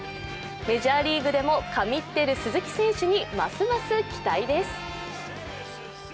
メジャーリーグでも神ってる鈴木選手にますます期待です。